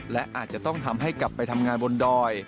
และอาจจะต้องทำให้กลับไปทำงานบนดอย